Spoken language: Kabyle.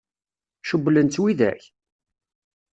Cewwlen-tt widak?